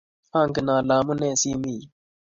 angen ale amunee si mii yu.